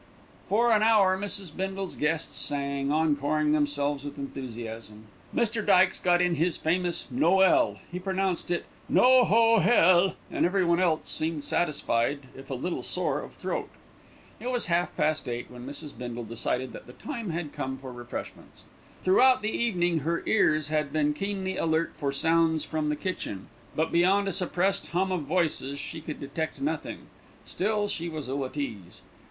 For an hour Mrs. Bindle's guests sang, encoring themselves with enthusiasm. Mr. Dykes got in his famous "Noël," he pronounced it "No ho hell," and everyone else seemed satisfied, if a little sore of throat. It was half past eight when Mrs. Bindle decided that the time had come for refreshments. Throughout the evening her ears had been keenly alert for sounds from the kitchen; but beyond a suppressed hum of voices, she could detect nothing; still she was ill at ease.